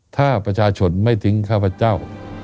ถ้าประชาชนไม่ทิ้งข้าพเจ้า